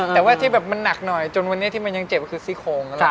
แต่ว่าที่แบบมันหนักหน่อยจนวันนี้ที่มันยังเจ็บคือซี่โคงอะไร